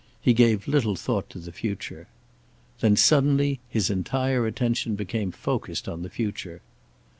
He gave little thought to the future. Then, suddenly, his entire attention became focused on the future.